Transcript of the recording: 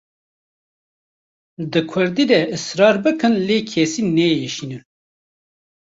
Di kurdî de israr bikin lê kesî neêşînin.